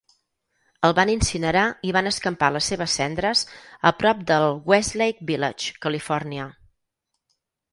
El van incinerar i van escampar les seves cendres a prop del Westlake Village, Califòrnia.